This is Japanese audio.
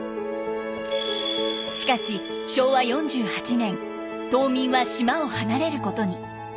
しかし昭和４８年島民は島を離れることに。